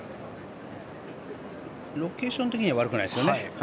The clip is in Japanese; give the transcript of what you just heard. ロケーション的には悪くないですよね。